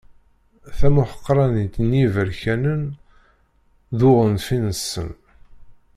Tamuḥeqranit n yiberkanen d uɣanfi-nsen.